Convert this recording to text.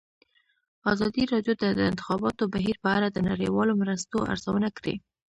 ازادي راډیو د د انتخاباتو بهیر په اړه د نړیوالو مرستو ارزونه کړې.